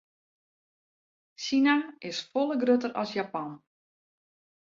Sina is folle grutter as Japan.